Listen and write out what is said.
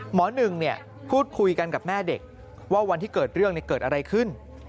หนึ่งพูดคุยกันกับแม่เด็กว่าวันที่เกิดเรื่องเกิดอะไรขึ้น